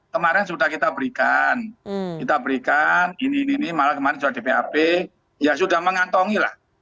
kemarin sudah kita berikan kita berikan ini ini malah kemarin sudah di bap ya sudah mengantongi lah